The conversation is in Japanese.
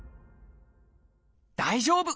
大丈夫！